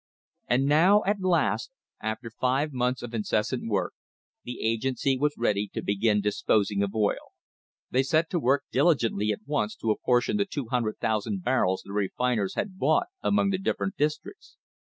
And now, at last, after five months of incessant work, the agency was ready to begin disposing of oil. They set to work diligently at once to apportion the 200,000 barrels the re finers had bought among the different districts.